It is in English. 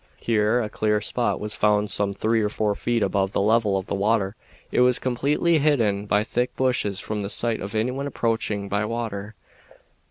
Here a clear spot was found some three or four feet above the level of the water. It was completely hidden by thick bushes from the sight of anyone approaching by water.